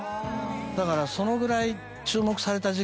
だからそのぐらい注目された時期があった。